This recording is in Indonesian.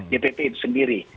jpp itu sendiri